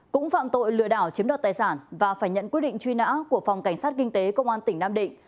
cũng phạm tội lừa đảo chiếm đoạt tài sản và phải nhận quyết định truy nã của phòng cảnh sát kinh tế công an tỉnh nam định